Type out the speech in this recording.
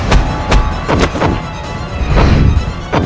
aku akan menang